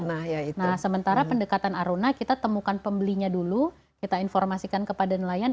nah sementara pendekatan aruna kita temukan pembelinya dulu kita informasikan kepada nelayan